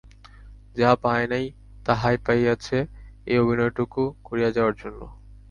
যাহা পায় নাই তাহাই পাইয়াছে এই অভিনয়টুকু করিয়া যাওয়ার জন্য?